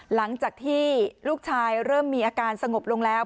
หลังจากที่ลูกชายเริ่มมีอาการสงบลงแล้ว